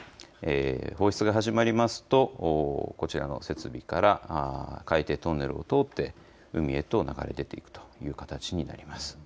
放出が始まりますとこちらの設備から海底トンネルを通って海へと流れ出ていくという形になります